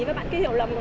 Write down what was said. tại sao tao sợ mày á